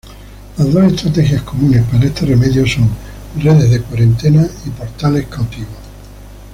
Las dos estrategias comunes para este remedio son redes de cuarentena y portales cautivos.